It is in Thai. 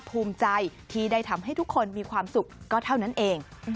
ภูมิใจที่ได้ทำให้ทุกคนมีความสุขก็เท่านั้นเอง